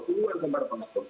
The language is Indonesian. keluar gambar paspor